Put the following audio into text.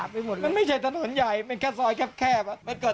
มันไม่ใช่ถนนใหญ่มันแค่ซอยแคบ